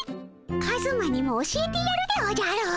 カズマにも教えてやるでおじゃる。